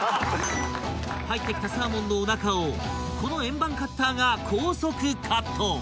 ［入ってきたサーモンのおなかをこの円盤カッターが高速カット］